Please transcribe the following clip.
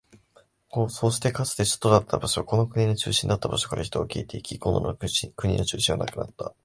そうして、かつて首都だった場所、この国の中心だった場所から人は消えていき、この国の中心は消えてなくなった。